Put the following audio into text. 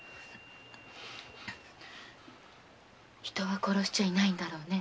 人は殺しちゃいないんだろうね？